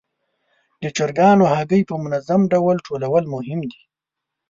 د چرګانو هګۍ په منظم ډول ټولول مهم دي.